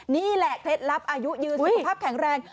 นี่แหละเคล็ดลับอายุยืนสุขภาพแข็งแรง